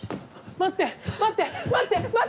待って待って待って。